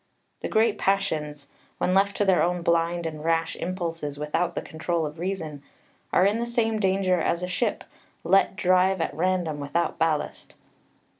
The great passions, when left to their own blind and rash impulses without the control of reason, are in the same danger as a ship let drive at random without ballast.